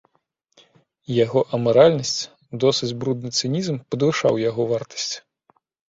Яго амаральнасць, досыць брудны цынізм падвышаў яго вартасць.